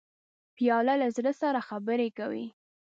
پیاله له زړه سره خبرې کوي.